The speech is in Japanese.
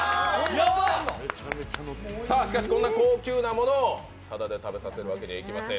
しかしこんな高級なものをただで食べさせるわけにはいきません。